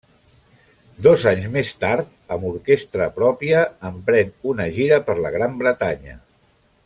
Dos anys més tard, amb orquestra pròpia, emprèn una gira per la Gran Bretanya.